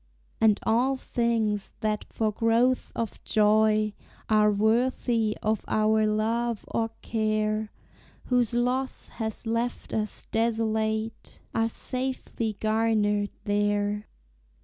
And all things that for growth of joy Are worthy of our love or care, Whose loss has left us desolate, Are safely garnered there.